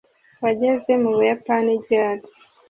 wageze mu buyapani ryari